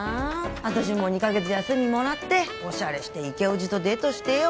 私も２カ月休みもらってオシャレしてイケオジとデートしてーよ